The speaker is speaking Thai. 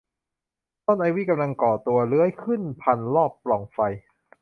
ต้นไอวี่กำลังก่อตัวเลื้อยขึ้นพันรอบปล่องไฟ